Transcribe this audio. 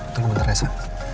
tunggu bentar reza